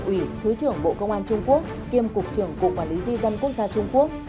ủy thứ trưởng bộ công an trung quốc kiêm cục trưởng cục quản lý di dân quốc gia trung quốc